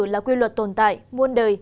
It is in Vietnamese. là quy luật tồn tại muôn đời